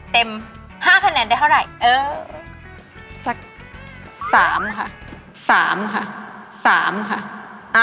เต็มห้าคะแนนได้เท่าไรเออสักสามค่ะสามค่ะสามค่ะ